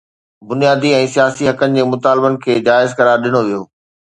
بنيادي ۽ سياسي حقن جي مطالبن کي جائز قرار ڏنو ويو.